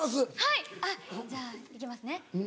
はいじゃあいきますね。